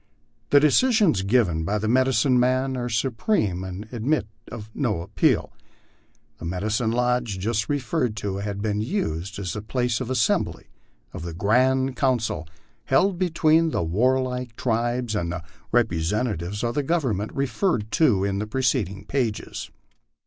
The decisions given by the medicine men are supreme, and admit of no appeal. The medicine lodge just referred to had been used as the place of assembly of the grand council held between the warlike tribes and the representatives of the Government, referred to in preceding pages.